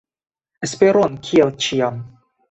Esperon, kiel ĉiam!